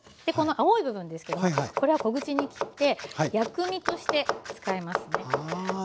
でこの青い部分ですけどもこれは小口に切って薬味として使いますね。